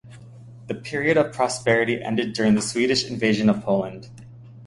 The period of prosperity ended during the Swedish invasion of Poland.